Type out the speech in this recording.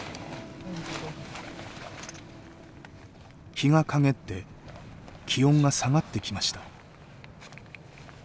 日が陰って気温が下がってきました。